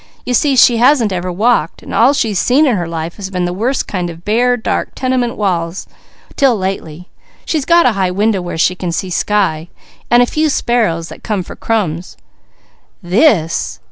"You see she hasn't ever walked, so all she's seen in her life has been the worst kind of bare, dark tenement walls, 'til lately she's got a high window where she can see sky, and a few sparrows that come for crumbs. This!"